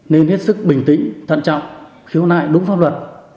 nên hết sức bình tĩnh thận trọng khiếu nại đúng pháp luật